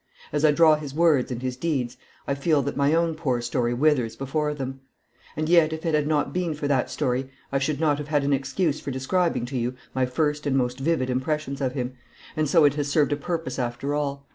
As I draw his words and his deeds I feel that my own poor story withers before them. And yet if it had not been for that story I should not have had an excuse for describing to you my first and most vivid impressions of him, and so it has served a purpose after all.